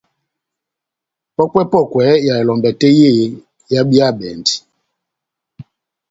Pɔ́kwɛ-pɔ́kwɛ ya elɔmbɛ tɛ́h yé ehábíyabɛndi.